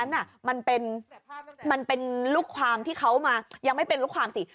มันเป็นลูกความที่เขามายังไม่เป็นลูกความสิ